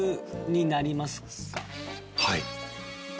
はい。